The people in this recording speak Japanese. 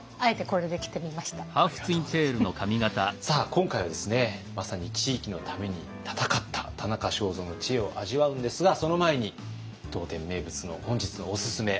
今回はですねまさに地域のために闘った田中正造の知恵を味わうんですがその前に当店名物の本日のオススメ。